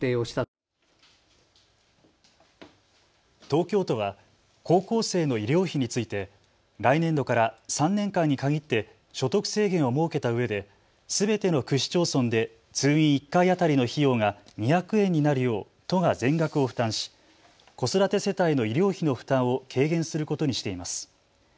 東京都は高校生の医療費について来年度から３年間に限って所得制限を設けたうえですべての区市町村で通院１回当たりの費用が２００円になるよう都が全額を負担し子育て世帯の医療費の負担を軽減することにしています。